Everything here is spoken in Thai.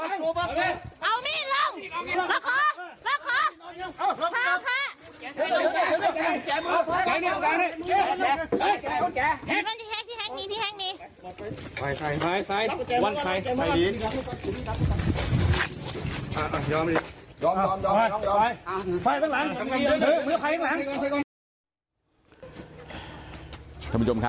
เอามีดลงละครละครพร้อมค่ะ